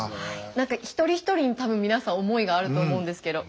何か一人一人に多分皆さん思いがあると思うんですけど。